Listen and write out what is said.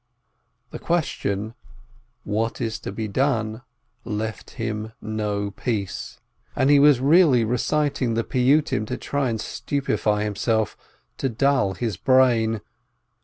The question, What is to be done? left him no peace, and he was really reciting the Piyyutim to try and stupefy himself, to dull his brain.